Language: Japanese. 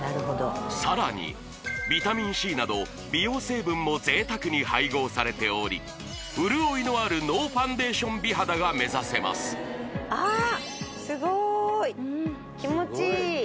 さらにビタミンＣなど美容成分も贅沢に配合されており潤いのあるノーファンデーション美肌が目指せますああ